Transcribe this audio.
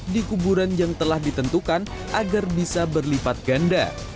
di kuburan yang telah ditentukan agar bisa berlipat ganda